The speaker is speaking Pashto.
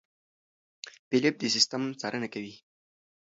فېلېپ د سیستم څارنه کوي.